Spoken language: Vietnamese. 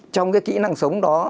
trong cái kỹ năng sống đó